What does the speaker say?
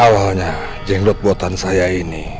awalnya jenglot buatan saya ini